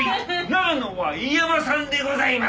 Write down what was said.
長野は飯山産でございます。